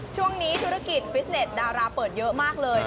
ช่วงนี้ธุรกิจฟิสเน็ตดาราเปิดเยอะมากเลย